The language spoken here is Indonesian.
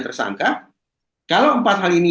tersangka kalau empat hal ini